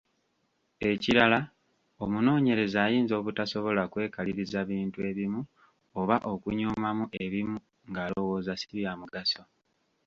Ekirala, omunoonyereza ayinza obutasobola kwekaliriza bintu ebimu oba okunyoomamu ebimu ng’alowooza ssi bya mugaso.